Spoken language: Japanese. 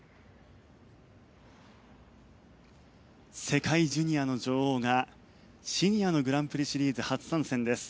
世界ジュニアの女王がシニアのグランプリシリーズ初参戦です。